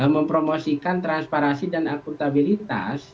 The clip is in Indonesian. mempromosikan transparansi dan akuntabilitas